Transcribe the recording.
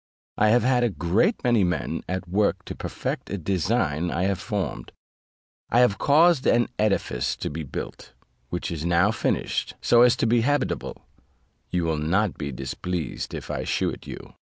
I have had a great many men at work to perfect a design I have formed; I have caused an edifice to be built, which is now finished so as to be habitable: you will not be displeased if I shew it you.